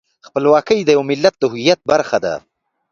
خپلواکي د یو ملت د هویت برخه ده.